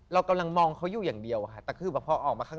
ตัวแข็งทือตัวแข็ง